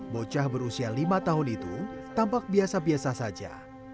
bocah berusia lima tahun itu tampak biasa biasa saja